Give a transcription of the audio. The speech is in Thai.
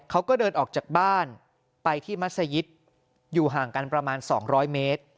เขาก็เดินออกจากบ้านไปที่มัศยิตอยู่ห่างกันประมาณ๒๐๐เมตร